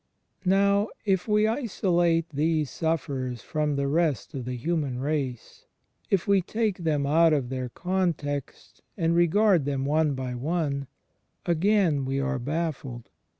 Now if we isolate these sufferers from the rest of the human race, if we take them out of their context and regard them one by one, again we are baffled.